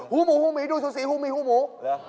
หมูฮูหมีดูสูสีฮูหมีฮูหมู